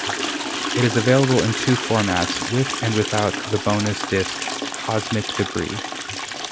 It is available in two formats, with and without the bonus disc, "Cosmic Debris".